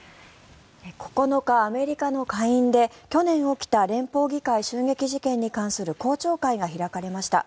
９日、アメリカの下院で去年起きた連邦議会襲撃事件に関する公聴会が開かれました。